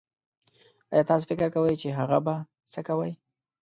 ايا تاسو فکر کوي چې هغه به سه کوئ